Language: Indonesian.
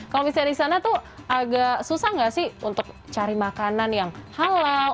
kalau misalnya di sana tuh agak susah nggak sih untuk cari makanan yang halal